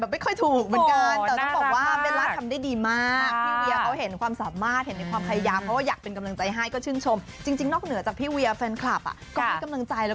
เพราะว่าพี่เขาก็รู้ว่าเราก็เครียดอยู่